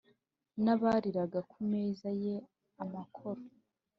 n’abariraga ku meza ye amakoro,